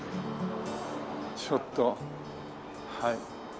ちょっとはい。